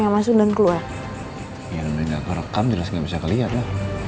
yang penting kan udah ketemu